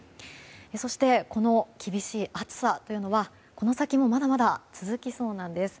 そしてこの厳しい暑さというのはこの先もまだまだ続きそうなんです。